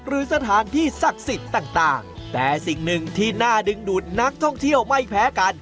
หรือสถานที่ศักดิ์สิทธิ์ต่างแต่สิ่งหนึ่งที่น่าดึงดูดนักท่องเที่ยวไม่แพ้กัน